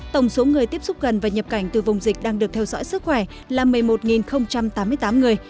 tổng số người tiếp xúc gần và nhập cảnh từ vùng dịch đang được theo dõi sức khỏe là một mươi một tám mươi tám người